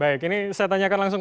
baik ini saya tanyakan langsung